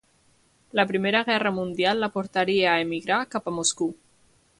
La Primera Guerra Mundial la portaria a emigrar cap a Moscou.